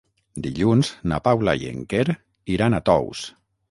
Dilluns na Paula i en Quer iran a Tous.